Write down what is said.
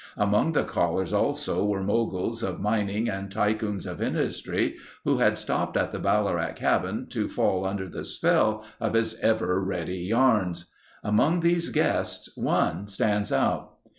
Among the callers also were moguls of mining and tycoons of industry who had stopped at the Ballarat cabin to fall under the spell of his ever ready yarns. Among these guests, one stands out.